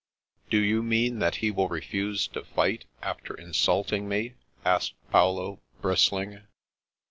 " Do you mean that he will refuse to fight, after insulting me? " asked Paolo, bristling.